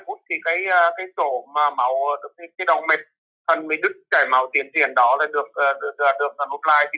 ba năm phút thì cái chỗ mà máu cái đồng mẹt phần mới đứt chảy máu tiền tiền đó là được nút lại